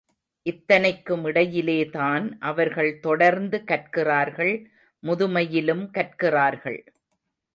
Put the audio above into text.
இத்தனைக்குமிடையிலேதான், அவர்கள் தொடர்ந்து கற்கிறார்கள் முதுமையிலும் கற்கிறார்கள்.